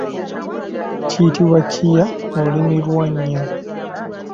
Kiyitibwa kiya mu lulimi lwannya.